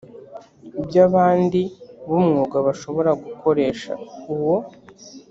iby abandi b umwuga bashobora gukoresha uwo